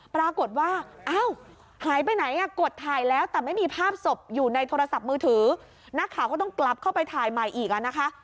ปรากฏว่าอ้าวหายไปไหนอ่ะกดถ่ายแล้วแต่ไม่มีภาพศพอยู่ในโทรศัพท์มือถือนักข่าวก็ต้องกลับเข้าไปถ่ายใหม่อีกอ่ะนะคะ